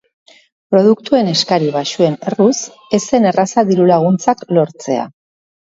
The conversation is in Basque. Produktuen eskari baxuen erruz, ez zen erraza diru-laguntzak lortzea.